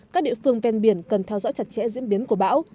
các địa phương ven biển cần theo dõi chặt chẽ diễn biến của bão